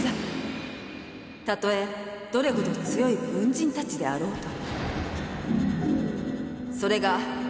たとえどれほど強い軍人たちであろうとも。